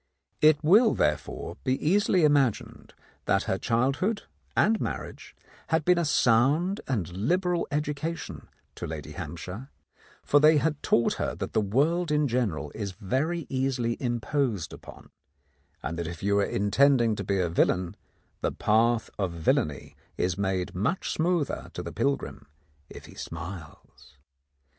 It will therefore be easily imagined that her child hood and marriage had been a sound and liberal education to Lady Hampshire ; for they had taught her that the world in general is very easily imposed upon, and that if you are intending to be a villain, the path of villainy is made much smoother to the pilgrim if he smiles.